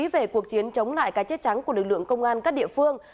về cuộc chiến chống lại cái chết trắng của lực lượng công an các địa phương